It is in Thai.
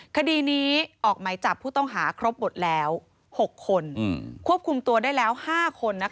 คดีนี้ออกไหมจับผู้ต้องหาครบหมดแล้ว๖คนควบคุมตัวได้แล้ว๕คน